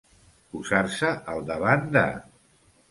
Posar-se al davant de.